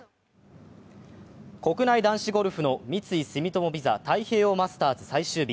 国内男子ゴルフの三井住友ＶＩＳＡ太平洋マスターズ最終日。